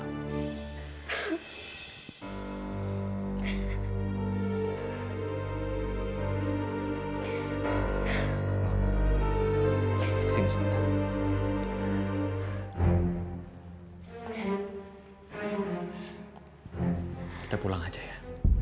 kita pulang aja ya